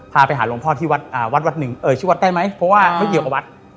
พาไปหาหลวงพ่อที่วัดวัดหนึ่งเอ่ยชื่อวัดได้ไหมเพราะว่าไม่เกี่ยวกับวัด